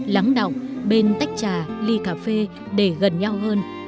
lắng động bên tách trà ly cà phê để gần nhau hơn